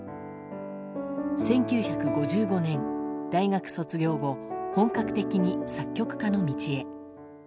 １９５５年、大学卒業後本格的に作曲家の道へ。